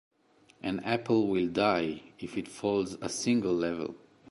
An apple will die if it falls a single level.